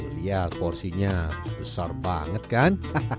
lihat porsinya besar banget kan